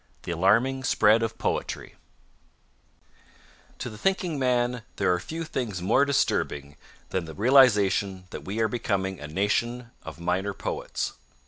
THE ALARMING SPREAD OF POETRY To the thinking man there are few things more disturbing than the realization that we are becoming a nation of minor poets.